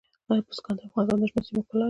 بزګان د افغانستان د شنو سیمو ښکلا ده.